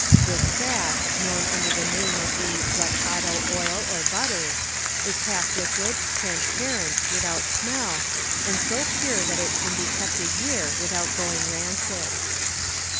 This fat, known under the name of the Guacharo oil or butter, is half liquid, transparent, without smell, and so pure that it can be kept a year without turning rancid.